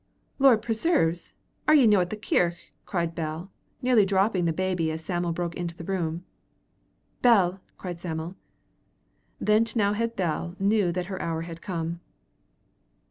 "Lord preserve's! Are ye no at the kirk?" cried Bell, nearly dropping the baby as Sam'l broke into the room. "Bell!" cried Sam'l. Then T'nowhead's Bell knew that her hour had come.